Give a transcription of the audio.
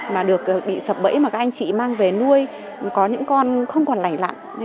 mà được bị sập bẫy mà các anh chị mang về nuôi có những con không còn lành lặng